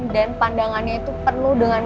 dan pandangannya itu penuh dengan kebenaran